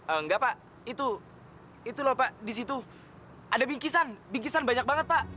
enggak pak itu loh pak di situ ada bingkisan bingkisan banyak banget pak